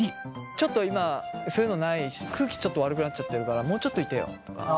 ちょっと今そういうのないし空気ちょっと悪くなっちゃってるからもうちょっといてよとか。